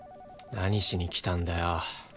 何しに来たんだよ。